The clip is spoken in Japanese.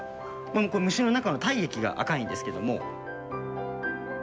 これ、虫の中の体液が赤いんですけども。